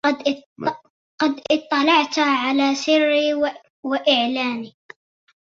قد اطلعت على سري وإعلاني